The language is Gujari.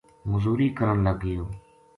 مزوری کرن لگ گیو